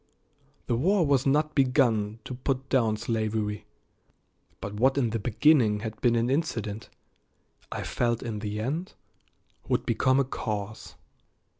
The war was not begun to put down slavery, but what in the beginning had been an incident I felt in the end would become a cause.